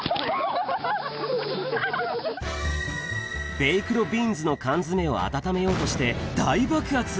ベイクドビーンズの缶詰を温めようとして、大爆発。